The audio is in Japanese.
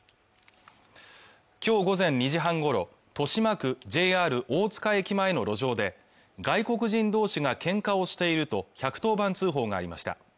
きょう午前２時半ごろ豊島区ＪＲ大塚駅前の路上で外国人同士がけんかをしていると１１０番通報がありました